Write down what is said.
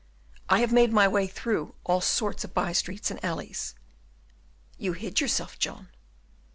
"I have made my way through all sorts of bystreets and alleys." "You hid yourself, John?"